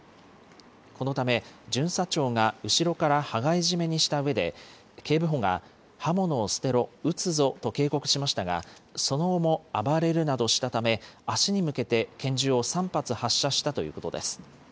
このため、巡査長が後ろから羽交い絞めにしたうえで、警部補が刃物を捨てろ、撃つぞと警告しましたが、その後も暴れるなどしたため、足に向けて拳銃を３発発射したということです。